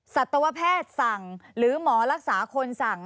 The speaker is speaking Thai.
สัตวแพทย์สั่งหรือหมอรักษาคนสั่ง